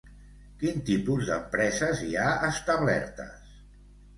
Quin tipus d'empreses hi ha establertes?